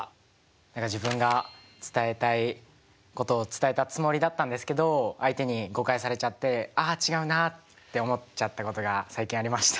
何か自分が伝えたいことを伝えたつもりだったんですけど相手に誤解されちゃって「あ違うな」って思っちゃったことが最近ありました。